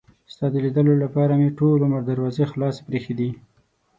ستا د لیدلو لپاره مې ټول عمر دروازې خلاصې پرې ایښي دي.